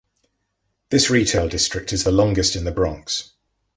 This retail district is the longest in the Bronx.